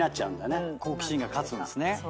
好奇心が勝つんですね。